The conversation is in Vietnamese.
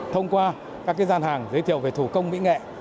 thông qua các gian hàng giới thiệu về thủ công mỹ nghệ